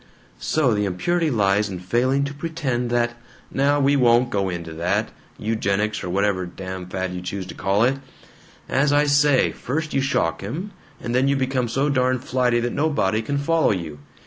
"So the impurity lies in failing to pretend that " "Now we won't go into all that eugenics or whatever damn fad you choose to call it. As I say, first you shock him, and then you become so darn flighty that nobody can follow you.